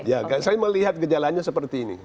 ya saya melihat gejalanya seperti ini